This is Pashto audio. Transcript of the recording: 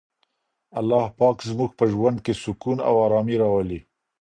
الله پاک زموږ په ژوند کي سکون او ارامي راولي.